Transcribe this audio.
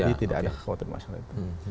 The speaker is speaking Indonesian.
jadi tidak ada khawatir masalah itu